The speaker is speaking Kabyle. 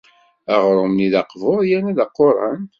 Aɣrum-nni d aqbur yerna d aquran.